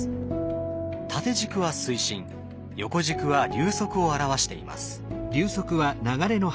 縦軸は水深横軸は流速を表しています。